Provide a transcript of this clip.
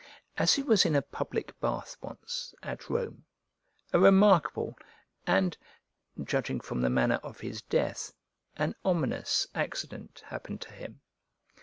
As he was in a public bath once, at Rome, a remarkable, and (judging from the manner of his death) an ominous, accident happened to him.